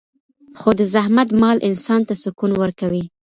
خو د زحمت مال انسان ته سکون ورکوي.